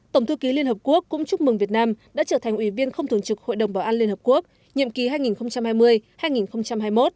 tổng thư ký liên hợp quốc cũng chúc mừng việt nam đã trở thành ủy viên không thường trực hội đồng bảo an liên hợp quốc nhiệm kỳ hai nghìn hai mươi hai nghìn hai mươi một